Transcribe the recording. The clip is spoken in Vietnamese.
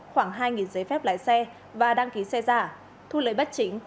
khoảng hai giấy phép lái xe và đăng ký xe giả thu lợi bất chính khoảng một năm tỷ đồng